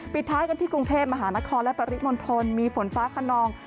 ปิดท้ายกันที่กรุงเทพมหานครและปริมณฑลมีฝนฟ้าขนอง